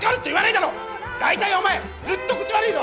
だいたいお前ずっと口悪いぞ！